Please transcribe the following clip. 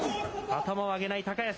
頭を上げない高安。